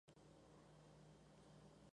Ralph Darling